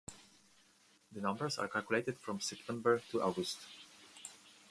The numbers are calculated from September to August.